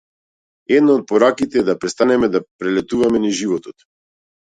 Една од пораките е да престанеме да прелетуваме низ животот.